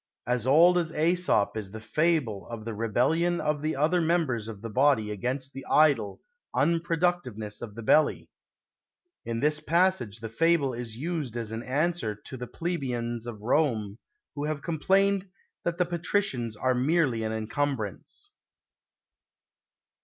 As old as Aesop is the fable of the rebellion of the other members of the body against the idle unproductiveness of the belly. In this passage the fable is used as an answer to the plebeians of Rome who have complained that the patricians are merely an encumbrance.